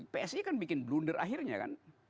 psi kan bikin blunder akhirnya kan